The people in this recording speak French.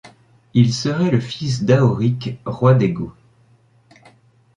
Il serait le fils d'Aoric, roi des Goths.